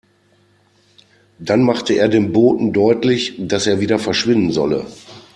Dann machte er dem Boten deutlich, dass er wieder verschwinden solle.